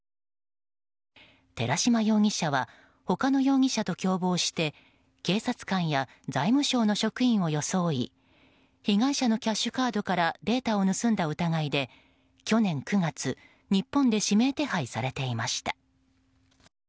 寺島容疑者は他の容疑者と共謀して警察官や財務省の職員を装い被害者のキャッシュカードからデータを盗んだ疑いで去年９月日本で指名手配されていました。